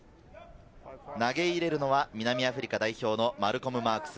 投げ入れるのは南アフリカ代表のマルコム・マークス。